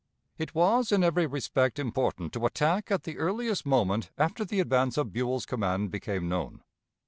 It was in every respect important to attack at the earliest moment after the advance of Buell's command became known.